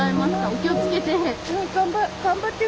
お気をつけて。